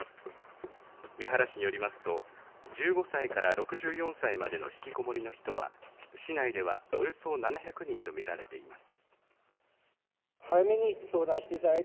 三原市によりますと１５歳から６４歳までのひきこもりの人は市内では、およそ７００人とみられています。